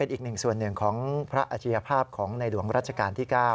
อีกหนึ่งส่วนหนึ่งของพระอาชียภาพของในหลวงรัชกาลที่๙